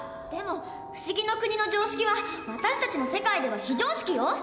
でも不思議の国の常識は私たちの世界では非常識よ。